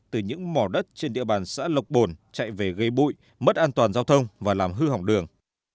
từ những mỏ đất trên địa bàn xã lộc bồn chạy về gây bụi mất an toàn giao thông và làm hư hỏng đường